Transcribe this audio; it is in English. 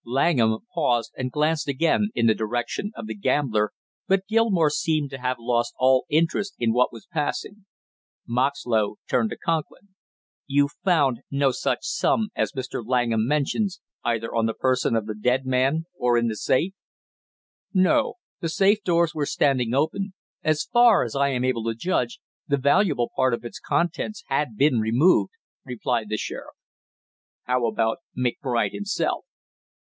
Langham paused and glanced again in the direction of the gambler, but Gilmore seemed to have lost all interest in what was passing. Moxlow turned to Conklin. "You found no such sum as Mr. Langham mentions, either on the person of the dead man, or in the safe?" "No, the safe doors were standing open; as far as I am able to judge, the valuable part of its contents had been removed," replied the sheriff. "How about McBride himself?"